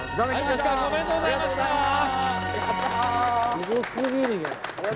すごすぎるよ。